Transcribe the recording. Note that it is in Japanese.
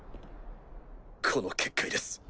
この結界です。